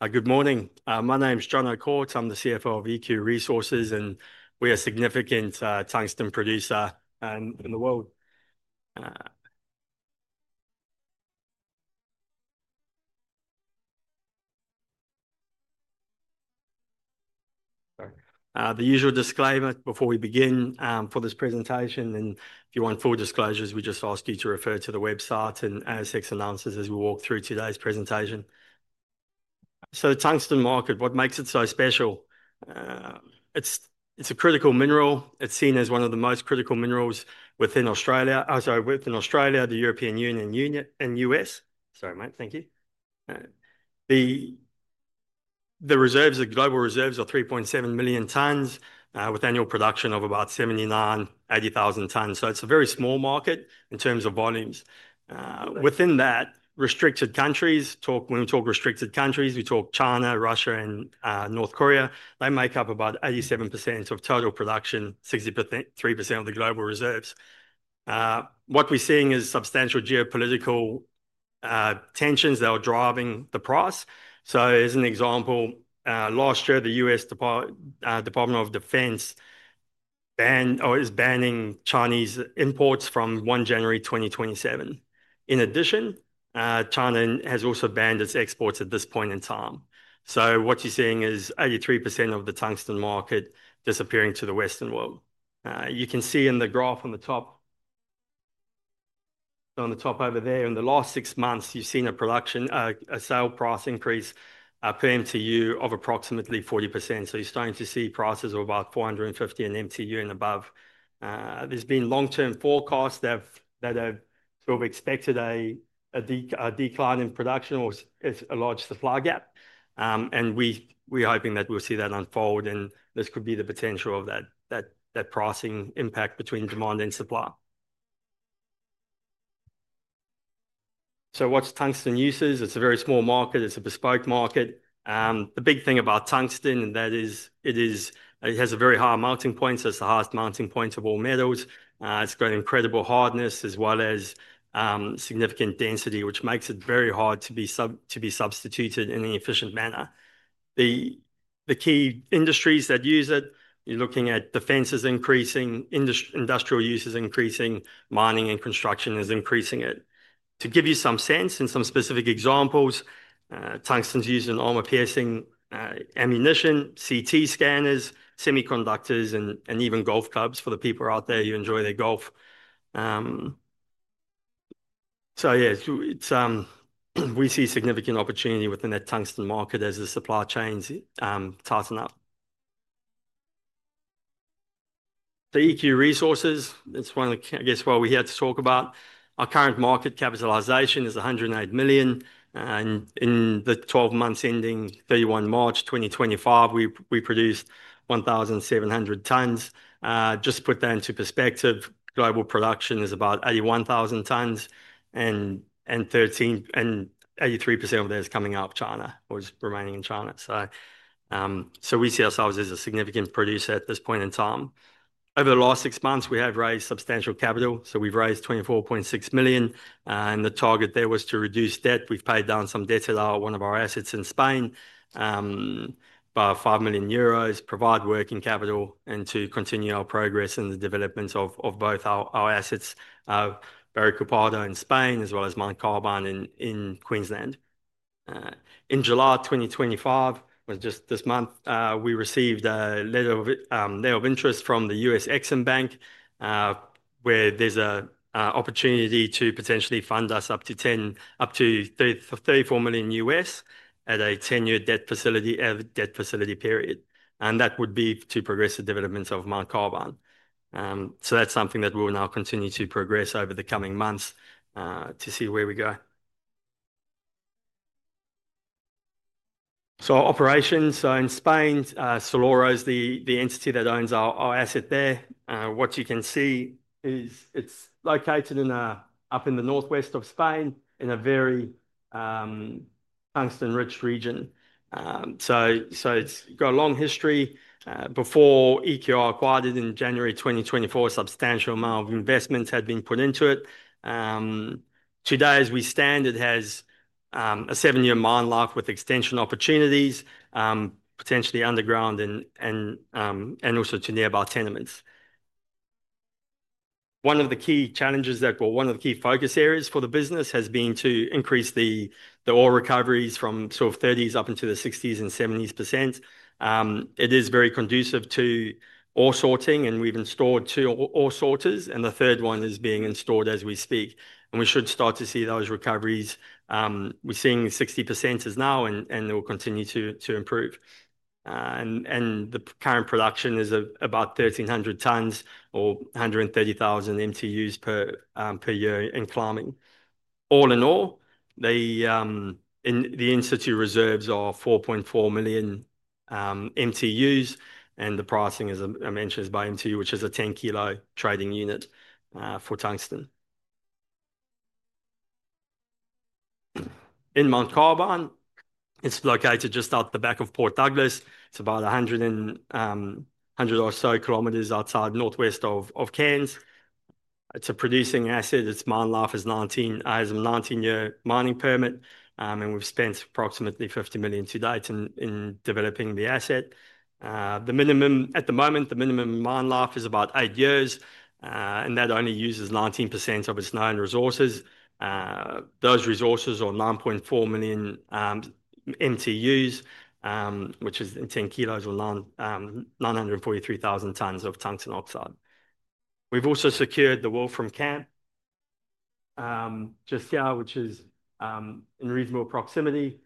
Good morning. My name is John O'Court. I'm the CFO of EQ Resources, and we are a significant tungsten producer in the world. The usual disclaimer before we begin for this presentation, and if you want full disclosures, we just ask you to refer to the website and our section announcers as we walk through today's presentation. Tungsten market, what makes it so special? It's a critical mineral. It's seen as one of the most critical minerals within Australia, the European Union, and the U.S. The reserves, the global reserves are 3.7 million tons, with annual production of about 79,000-80,000 tons. It's a very small market in terms of volumes. Within that, restricted countries, when we talk restricted countries, we talk China, Russia, and North Korea. They make up about 87% of total production, 63% of the global reserves. What we're seeing is substantial geopolitical tensions that are driving the price. For example, last year, the U.S. Department of Defense is banning Chinese imports from January 1, 2027. In addition, China has also banned its exports at this point in time. What you're seeing is 83% of the tungsten market disappearing to the Western world. You can see in the graph on the top over there, in the last six months, you've seen a production, a sale price increase per MTU of approximately 40%. You're starting to see prices of about $450 an MTU and above. There have been long-term forecasts that have expected a decline in production or a large supply gap. We're hoping that we'll see that unfold, and this could be the potential of that pricing impact between demand and supply. What's tungsten uses? It's a very small market. It's a bespoke market. The big thing about tungsten is it has a very high melting point. It's the highest melting point of all metals. It's got incredible hardness as well as significant density, which makes it very hard to be substituted in an efficient manner. The key industries that use it, you're looking at defenses increasing, industrial uses increasing, mining and construction is increasing it. To give you some sense and some specific examples, tungsten is used in armor-piercing ammunition, CT scanners, semiconductors, and even golf clubs for the people out there who enjoy their golf. We see significant opportunity within that tungsten market as the supply chains tighten up. EQ Resources, that's one of the, I guess, what we had to talk about. Our current market capitalization is $108 million, and in the 12 months ending 31 March 2025, we produce 1,700 tons. Just to put that into perspective, global production is about 81,000 tons, and 13% and 83% of that is coming out of China, or is remaining in China. We see ourselves as a significant producer at this point in time. Over the last six months, we have raised substantial capital. We've raised $24.6 million, and the target there was to reduce debt. We've paid down some debt at one of our assets in Spain by €5 million, provide working capital, and to continue our progress in the developments of both our assets of Barruecopardo in Spain, as well as Mount Carbine in Queensland. In July 2025, just this month, we received a letter of interest from the Export-Import Bank of the United States, where there's an opportunity to potentially fund us up to $34 million U.S. at a 10-year debt facility period. That would be to progress the developments of Mount Carbine. That's something that we'll now continue to progress over the coming months to see where we go. Operations. In Spain, Saloro is the entity that owns our asset there. What you can see is it's located up in the northwest of Spain in a very tungsten-rich region. It's got a long history. Before EQ Resources acquired it in January 2024, a substantial amount of investments had been put into it. Today, as we stand, it has a seven-year mine life with extension opportunities, potentially underground, and also to nearby tenements. One of the key challenges that, or one of the key focus areas for the business has been to increase the ore recoveries from sort of 30s up into the 60s and 70s %. It is very conducive to ore sorting, and we've installed two ore sorters, and the third one is being installed as we speak. We should start to see those recoveries. We're seeing 60% as now, and they will continue to improve. The current production is about 1,300 tons or 130,000 MTUs per year and climbing. All in all, the in-situ reserves are 4.4 million MTUs, and the pricing, as I mentioned, is by MTU, which is a 10 kilo trading unit for tungsten. In Mount Carbine, it's located just out the back of Port Douglas. It's about 100 or so kilometers outside northwest of Cairns. It's a producing asset. Its mine life is 19, has a 19-year mining permit, and we've spent approximately $50 million to date in developing the asset. The minimum at the moment, the minimum mine life is about eight years, and that only uses 19% of its known resources. Those resources are 9.4 million MTUs, which is in 10 kilos or 943,000 tons of tungsten oxide. We've also secured the Wolfram Camp just here, which is in reasonable proximity.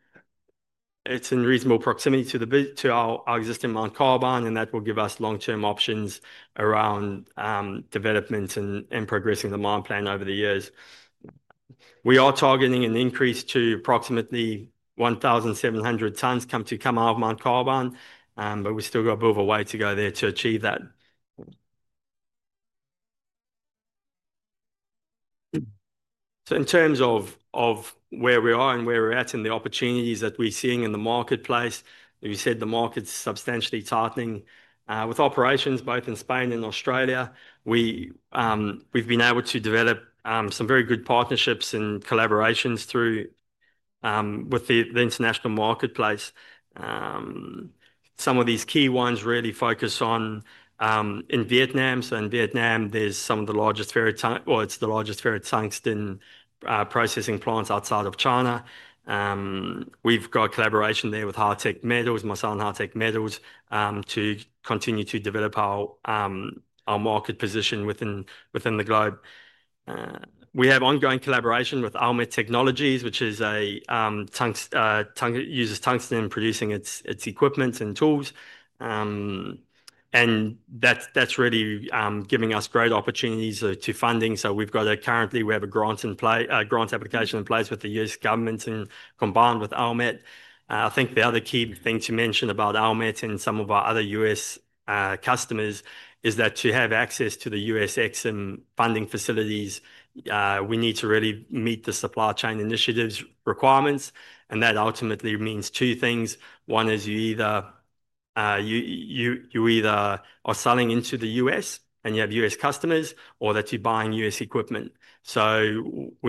It's in reasonable proximity to our existing Mount Carbine, and that will give us long-term options around development and progressing the mine plan over the years. We are targeting an increase to approximately 1,700 tons to come out of Mount Carbine, but we've still got a bit of a way to go there to achieve that. In terms of where we are and where we're at and the opportunities that we're seeing in the marketplace, you said the market's substantially tightening. With operations both in Spain and Australia, we've been able to develop some very good partnerships and collaborations through the international marketplace. Some of these key ones really focus on Vietnam. In Vietnam, there's some of the largest ferro-tungsten processing plants outside of China. We've got collaboration there with H.C. Starck, Masan High-Tech Materials and H.C. Starck, to continue to develop our market position within the globe. We have ongoing collaboration with Almonty Industries, which uses tungsten in producing its equipment and tools. That's really giving us great opportunities to funding. We've got a currently, we have a grant application in place with the U.S. government and combined with Almonty. I think the other key thing to mention about Almonty and some of our other U.S. customers is that to have access to the Export-Import Bank of the United States and funding facilities, we need to really meet the supply chain initiatives requirements. That ultimately means two things. One is you either are selling into the U.S. and you have U.S. customers or that you're buying U.S. equipment. We're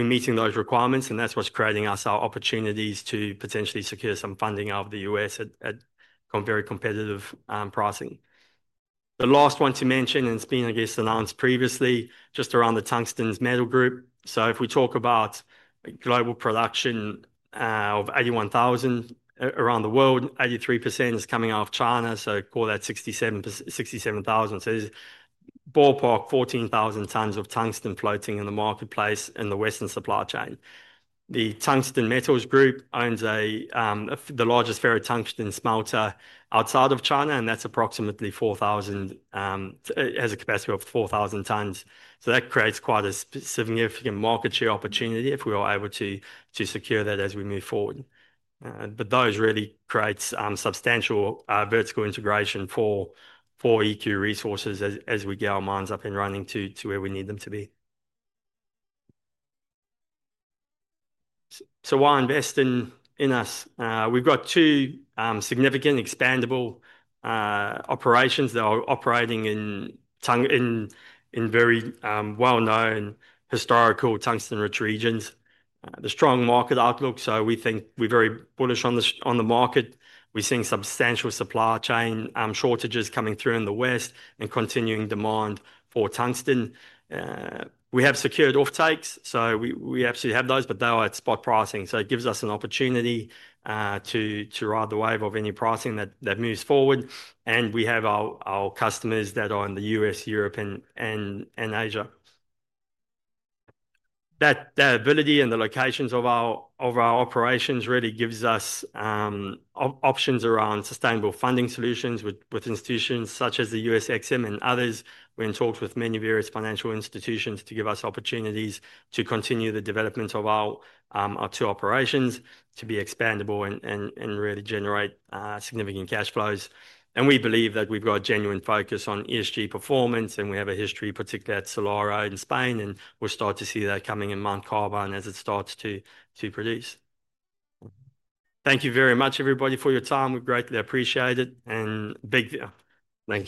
meeting those requirements and that's what's creating us our opportunities to potentially secure some funding out of the U.S. at very competitive pricing. The last one to mention, and it's been, I guess, announced previously, just around the Tungsten Metals Group. If we talk about global production of 81,000 around the world, 83% is coming out of China. Call that 67,000. There's ballpark 14,000 tons of tungsten floating in the marketplace in the Western supply chain. The Tungsten Metals Group owns the largest ferro-tungsten smelter outside of China, and that's approximately 4,000, has a capacity of 4,000 tons. That creates quite a significant market share opportunity if we are able to secure that as we move forward. Those really create substantial vertical integration for EQ Resources as we get our mines up and running to where we need them to be. Why invest in us? We've got two significant expandable operations that are operating in very well-known historical tungsten-rich regions. The strong market outlook, so we think we're very bullish on the market. We're seeing substantial supply chain shortages coming through in the West and continuing demand for tungsten. We have secured off-takes, so we absolutely have those, but they are at spot pricing. It gives us an opportunity to ride the wave of any pricing that moves forward. We have our customers that are in the United States, Europe, and Asia. That ability and the locations of our operations really give us options around sustainable funding solutions with institutions such as the Export-Import Bank of the United States and others. We're in talks with many various financial institutions to give us opportunities to continue the development of our two operations to be expandable and really generate significant cash flows. We believe that we've got a genuine focus on ESG performance, and we have a history, particularly at Saloro in Spain, and we'll start to see that coming in Mount Carbine as it starts to produce. Thank you very much, everybody, for your time. We greatly appreciate it. Big thanks.